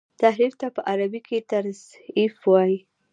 تحريف ته په عربي کي تزييف وايي.